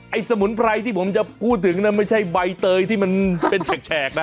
สมุนไพรที่ผมจะพูดถึงไม่ใช่ใบเตยที่มันเป็นแฉกนะ